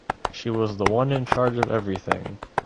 She was the one in charge of everything.